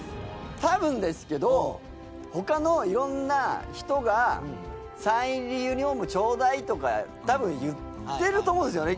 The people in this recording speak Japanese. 多分ですけど他のいろんな人がサイン入りユニフォームちょうだいとか多分言ってると思うんですよね。